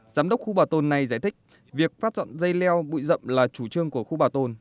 giám đốc khu bảo tồn này giải thích việc phát dọn dây leo bụi rậm là chủ trương của khu bảo tồn